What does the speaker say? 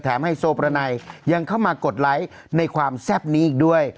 ไฮโซประไนยังเข้ามากดไลค์ในความแซ่บนี้อีกด้วย